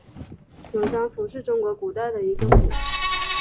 永昌府是中国古代的一个府。